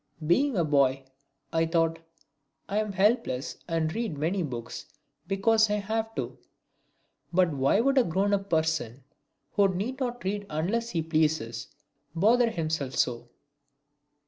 "Being a boy," I thought, "I am helpless and read many books because I have to. But why should a grown up person, who need not read unless he pleases, bother himself so?"